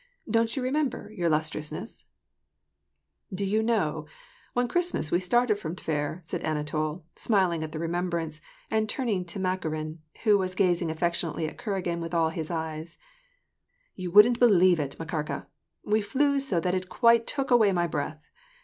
Don't you remember, your illustrious ness ?"" Do you know, one Christmas we started from Tver,'* said Anatol, smiling at the remembrance, and turning to Makarin, who was gazing affectionately at Kuragin with all his eyes, "You wouldn't believe it, Makarka, we flew so that it quite took away my breath.